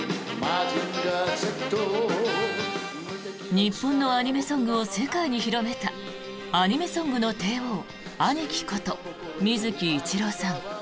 日本のアニメソングを世界に広めたアニメソングの帝王アニキこと水木一郎さん。